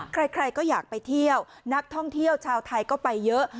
ใครก็อยากไปเที่ยวนักท่องเที่ยวชาวไทยก็ไปเยอะ